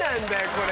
これ。